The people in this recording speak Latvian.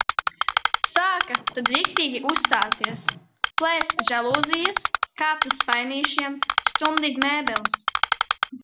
Sāka tad riktīgi uzstāties – plēst žalūzijas, kāpt uz spainīšiem, stumdīt mēbeles.